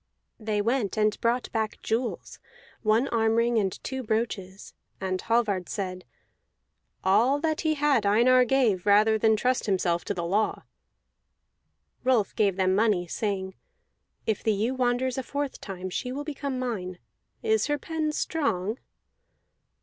'" They went and brought back jewels, one arm ring and two brooches; and Hallvard said, "All that he had Einar gave, rather than trust himself to the law." Rolf gave them money, saying: "If the ewe wanders a fourth time, she will become mine. Is her pen strong?"